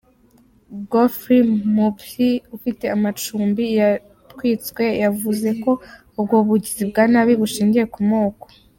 Goffrey Mbuthi ufite amacumbi yatwitswe yavuze ko ubwo bugizi bwa nabi bushingiye ku moko.